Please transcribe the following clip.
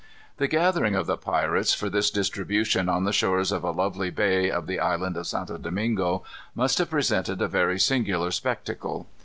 The gathering of the pirates for this distribution on the shores of a lovely bay of the Island of St. Domingo, must have presented a very singular spectacle.